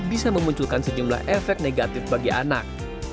bisa memunculkan sejumlah efek negatif bagi anak